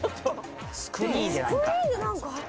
スクリーンで何かあった？